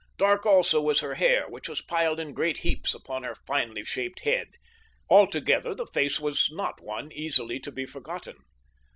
Dark also was her hair, which was piled in great heaps upon her finely shaped head. Altogether the face was one not easily to be forgotten.